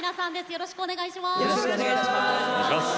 よろしくお願いします。